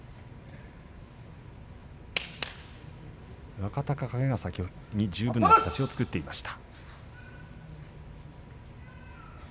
若隆景が先に十分な形を作っていました。